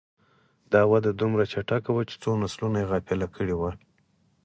دا وده دومره چټکه وه چې څو نسلونه یې غافل کړي وو.